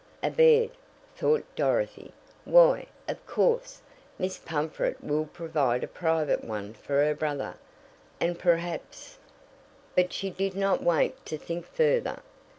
"A bed," thought Dorothy. "Why, of course, Miss Pumfret will provide a private one for her brother, and perhaps " But she did not wait to think further.